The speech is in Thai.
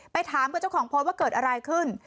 ถามกับเจ้าของโพสต์ว่าเกิดอะไรขึ้น